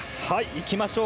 行きましょう！